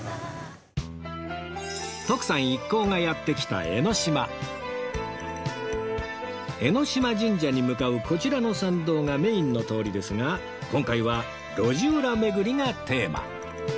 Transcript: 徳さん一行がやって来た江島神社に向かうこちらの参道がメインの通りですが今回は路地裏巡りがテーマ